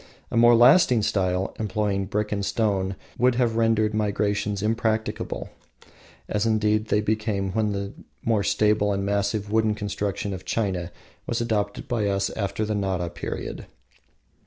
A more lasting style, employing brick and stone, would have rendered migrations impracticable, as indeed they became when the more stable and massive wooden construction of China was adopted by us after the Nara period.